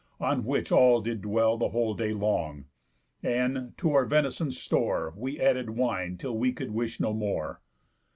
On which all did dwell The whole day long. And, to our venison's store, We added wine till we could wish no more.